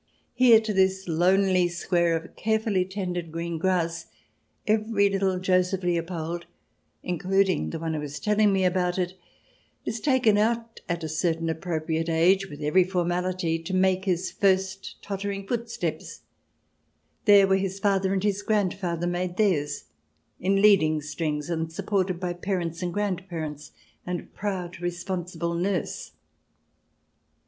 Here, to this lonely square of carefully tended green grass, every little Joseph Leopold, including the one who was telling me about it, is taken out at a certain ap propriate age, with every formality, to make his first tottering footsteps, there where his father and his grandfather made theirs, in leading strings and supported by parents and grandparents and a proud, responsible nurse.